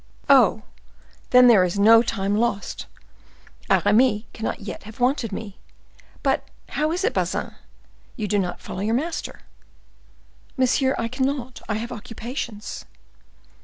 "Oh! then there is no time lost. Aramis cannot yet have wanted me. But how is it, Bazin, you do not follow your master?" "Monsieur, I cannot; I have occupations."